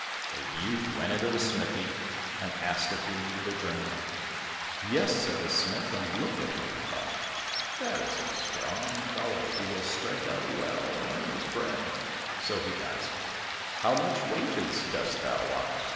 The youth went into the smithy and asked if he needed a journeyman. "Yes," said the smith, and looked at him, and thought, "That is a strong fellow who will strike out well, and earn his bread." So he asked, "How much wages dost thou want?"